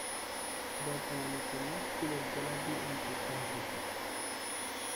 বর্তমানে তিনি সিলেট জেলা বিএনপির সভাপতি।